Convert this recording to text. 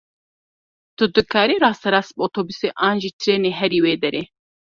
Tu dikarî rasterast bi otobûsê an jî trênê herî wê derê.